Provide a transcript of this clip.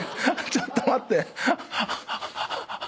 ちょっと待って。